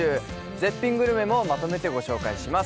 絶品グルメもまとめてご紹介します。